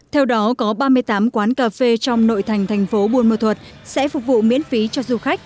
theo đó có ba mươi tám quán cà phê trong nội thành thành phố buôn mơ thuật sẽ phục vụ miễn phí cho du khách